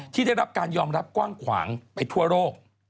ที่ได้รับการยอมรับกว้างขวางไปทั่วโลก